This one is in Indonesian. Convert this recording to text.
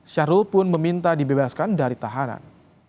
syahrul pun meminta dibebaskan dari tahanan